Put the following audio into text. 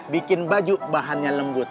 bikin baju bahannya lembut